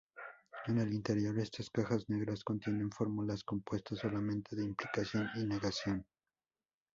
En el interior, estas cajas negras contienen fórmulas compuestas solamente de implicación y negación.